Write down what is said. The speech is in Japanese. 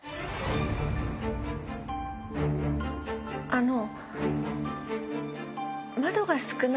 あの。